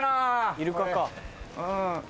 イルカか。